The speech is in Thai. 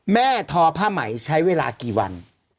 ทอผ้าไหมใช้เวลากี่วัน